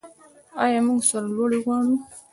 آیا موږ سرلوړي غواړو؟